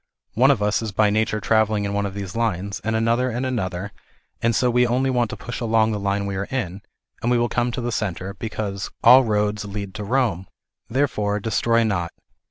One of us is by nature travelling in one of these lines, and another in another, and so we only want a push along the line we are in, and we will come to the centre, because "all roads lead ,to Home." Therefore, destroy not.